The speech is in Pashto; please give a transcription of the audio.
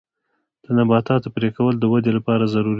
د نباتاتو پرې کول د ودې لپاره ضروري دي.